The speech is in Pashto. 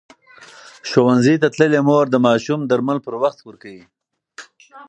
ښوونځې تللې مور د ماشوم درمل پر وخت ورکوي.